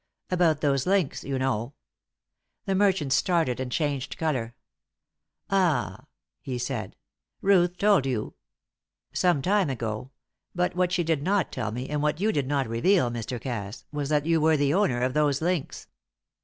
"About those links, you know " The merchant started and changed colour. "Ah!" he said. "Ruth told you?" "Some time ago; but what she did not tell me, and what you did not reveal, Mr. Cass, was that you were the owner of those links."